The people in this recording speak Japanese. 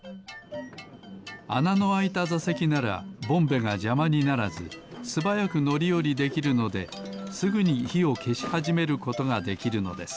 あなのあいたざせきならボンベがじゃまにならずすばやくのりおりできるのですぐにひをけしはじめることができるのです。